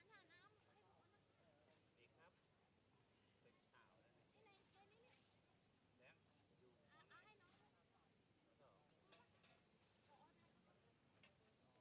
สวัสดีครับสวัสดีครับ